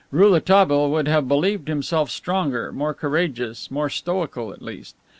Rouletabille would have believed himself stronger, more courageous, more stoical at least.